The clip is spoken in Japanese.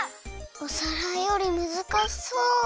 お皿よりむずかしそう。